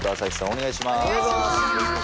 お願いします。